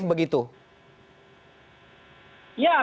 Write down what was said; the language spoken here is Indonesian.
jangan marah ke'